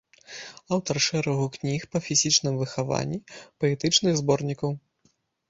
Аўтар шэрагу кніг па фізічным выхаванні, паэтычных зборнікаў.